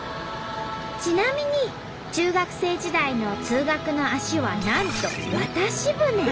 ちなみに中学生時代の通学の足はなんと渡し船。